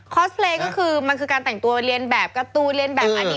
คอสเพลย์ก็คือมันคือการแต่งตัวเรียนแบบการ์ตูนเรียนแบบอนิเมะอะไรพวกเนี่ยค่ะ